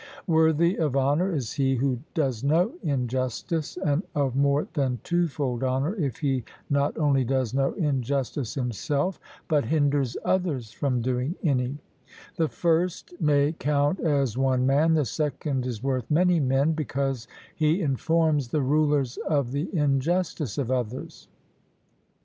Worthy of honour is he who does no injustice, and of more than twofold honour, if he not only does no injustice himself, but hinders others from doing any; the first may count as one man, the second is worth many men, because he informs the rulers of the injustice of others.